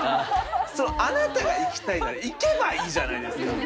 あなたが行きたいなら行けばいいじゃないですか。